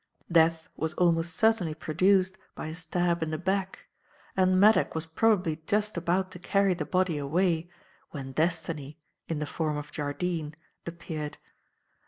"Death was almost certainly produced by a stab in the back; and Maddock was probably just about to carry the body away when destiny, in the form of Jardine, appeared.